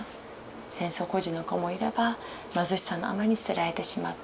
戦争孤児の子もいれば貧しさのあまりに捨てられてしまった子。